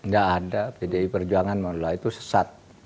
gak ada pdi perjuangan menolak itu sesat